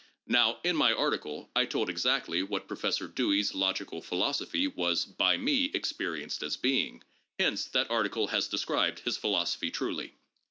Now in my article, I told exactly what Professor Dewey's logical philosophy was by me experienced as being ; hence that article has described his philosophy truly.